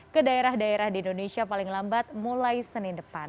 ke daerah daerah di indonesia paling lambat mulai senin depan